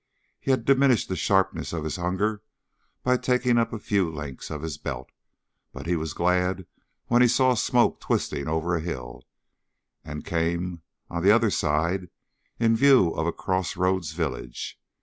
He had diminished the sharpness of his hunger by taking up a few links of his belt, but he was glad when he saw smoke twisting over a hill and came, on the other side, in view of a crossroads village.